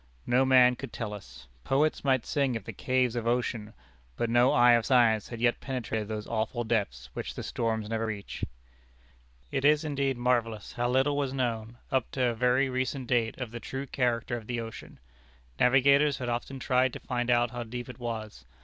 No man could tell us. Poets might sing of the caves of ocean, but no eye of science had yet penetrated those awful depths, which the storms never reach. It is indeed marvellous how little was known, up to a very recent date, of the true character of the ocean. Navigators had often tried to find out how deep it was.